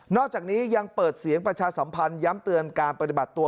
อกจากนี้ยังเปิดเสียงประชาสัมพันธ์ย้ำเตือนการปฏิบัติตัว